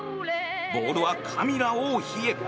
ボールはカミラ王妃へ。